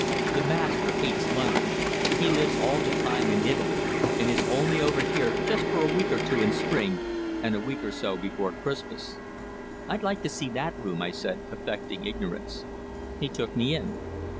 The master hates London. He lives all the time in Italy, and is only over here just for a week or two in spring, and a week or so before Christmas." "I'd like to see that room," I said, affecting ignorance. He took me in.